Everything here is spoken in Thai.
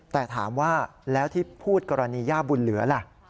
แต่ถามว่าแล้วที่พูดกรณีย่าบุญเหลือล่ะ